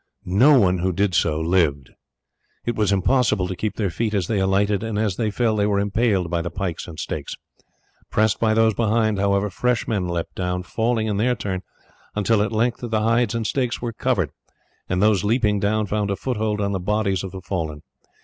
Not one who did so lived. It was impossible to keep their feet as they alighted, and as they fell they were impaled by the pikes and stakes. Pressed by those behind, however, fresh men leapt down, falling in their turn, until at length the hides and stakes were covered, and those leaping down found a foothold on the bodies of the fallen.